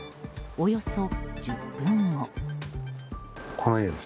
およそ１０分後。